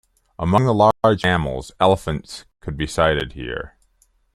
Among the large mammals, elephants could be sighted here.